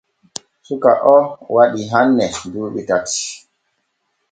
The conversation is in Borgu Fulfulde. Suka o waɗi hanne duuɓi tati.